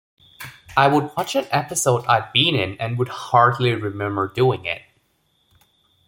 I would watch an episode I'd been in and would hardly remember doing it.